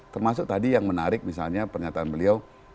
termasuk tadi yang menarik misalnya pernyataan beliau